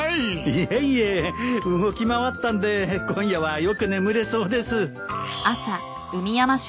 いえいえ動き回ったんで今夜はよく眠れそうです。